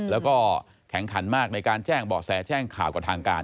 แล้วก็แข็งขันมากในการแจ้งเบาะแสแจ้งข่าวกับทางการ